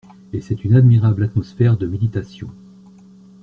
Et c'est une admirable atmosphère de méditation.